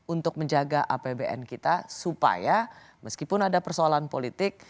untuk menjaga apbn kita supaya meskipun ada persoalan politik